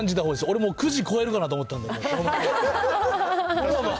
俺もう９時超えるかなと思ったんで。